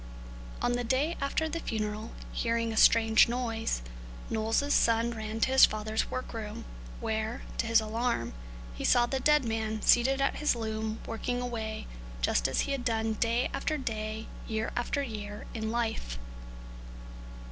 On the day after the funeral, hearing a strange noise, Knowles' son ran to his father's work room, where, to his alarm, he saw the dead man seated at his loom working away just as he had done day after day, year after year, in life.